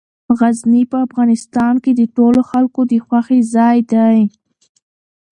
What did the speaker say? غزني په افغانستان کې د ټولو خلکو د خوښې ځای دی.